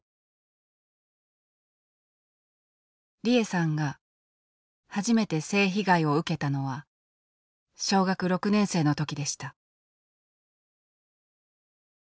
利枝さんが初めて性被害を受けたのは小学６年生の時でした。